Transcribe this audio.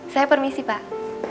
saya permisi pak